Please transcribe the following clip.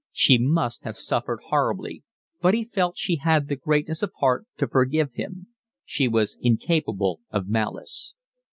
She must have suffered horribly, but he felt she had the greatness of heart to forgive him: she was incapable of malice.